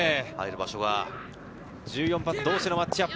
１４番同士のマッチアップ。